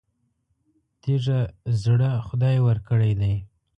تېږه زړه خدای ورکړی دی.